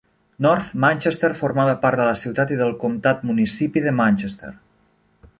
North Manchester formava part de la ciutat i del comtat-municipi de Manchester.